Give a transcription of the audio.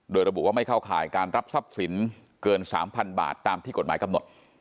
โดยระบุว่าไม่เข้าข่ายการรับทรัพย์สินเกิน๓๐๐๐บาทตามที่กฎหมายกำหนด